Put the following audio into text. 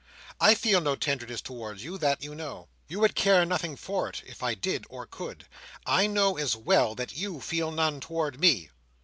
"I feel no tenderness towards you; that you know. You would care nothing for it, if I did or could. I know as well that you feel none towards me.